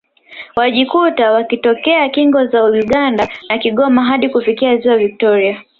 Walijikuta wakitokea kingo za Uganda na Kigoma hadi kufikia Ziwa Viktoria